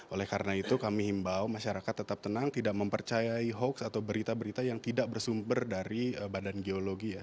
oleh karena itu kami himbau masyarakat tetap tenang tidak mempercayai hoax atau berita berita yang tidak bersumber dari badan geologi ya